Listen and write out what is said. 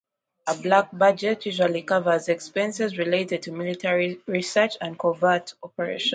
A black budget usually covers expenses related to military research and covert operations.